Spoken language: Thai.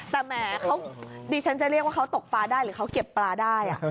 แต่แหมเขาดิฉันจะเรียกว่าเขาตกปลาได้หรือเขาเก็บปลาได้